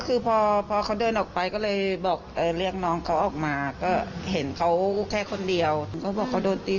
คือเขาก็บอกว่าจะโทรหาแฟนก่อนอะไรประมาณนี้